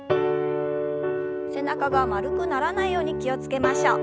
背中が丸くならないように気を付けましょう。